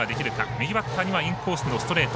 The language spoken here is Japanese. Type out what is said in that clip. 右バッターにはインコースのストレート。